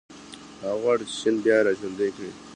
هغه غواړي چې چین بیا راژوندی کړي.